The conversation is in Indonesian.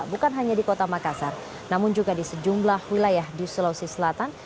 bukan hanya di kota makassar namun juga di sejumlah wilayah di sulawesi selatan